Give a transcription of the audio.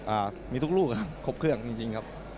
อ่ามีทุกรูกครับคอบครึ่งจริง